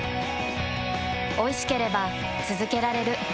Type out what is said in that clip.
おいしければつづけられる。